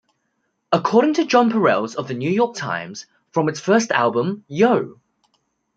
According to Jon Pareles of "The New York Times", "From its first album, "Yo!